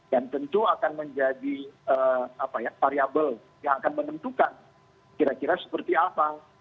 dan tentu akan menjadi variable yang akan menentukan kira kira seperti apa